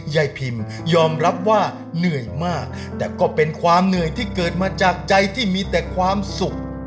ยายพิมยอมรับว่าเหนื่อยมากแต่ก็เป็นความเหนื่อยที่เกิดมาจากใจที่มีแต่ความสุข